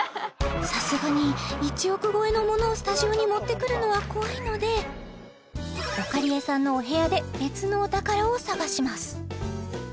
さすがに１億超えのものをスタジオに持ってくるのは怖いのでおかりえさんのお部屋で別のお宝を探します